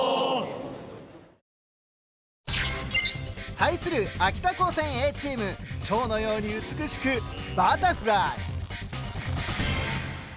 対する秋田高専Ａチームチョウのように美しく「ＢｕｔｔｅｒＦｌｙ」。